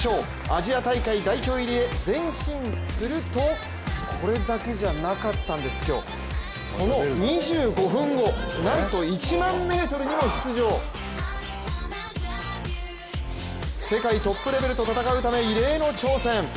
アジア大会代表入りへ前進するとこれだけじゃなかったんです、今日その２５分後、なんと１００００ｍにも出場世界トップレベルと戦うため異例の挑戦。